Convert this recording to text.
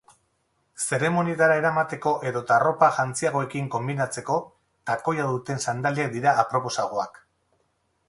Zeremonietara eramateko edota arropa jantziagoekin konbinatzeko, takoia duten sandaliak dira aproposagoak.